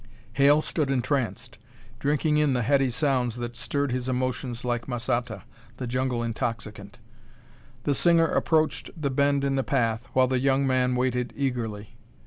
Hale stood entranced, drinking in the heady sounds that stirred his emotions like masata, the jungle intoxicant. The singer approached the bend in the path, while the young man waited eagerly.